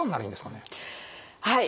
はい。